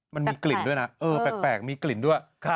มันมีกลิ่นด้วยนะเออแปลกมีกลิ่นด้วย